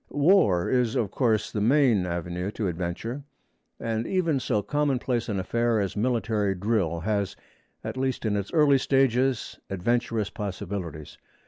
War is, of course, the main avenue to adventure, and even so commonplace an affair as military drill has, at least in its early stages, adventurous possibilities.